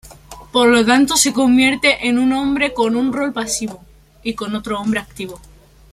Por lo tanto se convierte en una mujer con un rol pasivo.